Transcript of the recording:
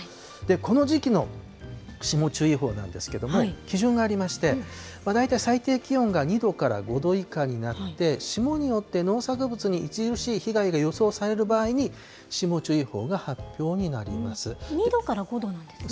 この時期の霜注意報なんですけれども、基準がありまして、大体最低気温が２度から５度以下になって、霜になって農作物に著しい被害が予想される場合に、霜注意報が発２度から５度なんですね。